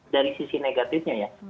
dari sisi negatifnya ya